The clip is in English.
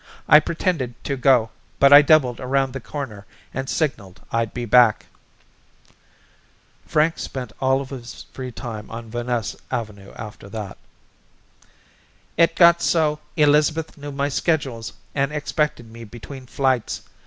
I pretended to go, but I doubled around the corner and signaled I'd be back." Frank spent all of his free time on Van Ness Avenue after that. "It got so Elizabeth knew my schedules and expected me between flights.